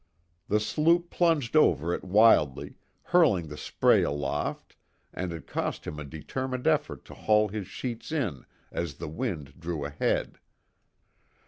The sloop plunged over it wildly, hurling the spray aloft, and it cost him a determined effort to haul his sheets in as the wind drew ahead.